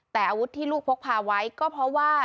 แต่อาวุธที่ลูกพกพาไว้ก็เพราะว่า